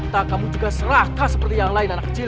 tak kamu juga serakah seperti yang lain anak kecil